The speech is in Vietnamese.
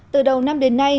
từ đầu năm đến nay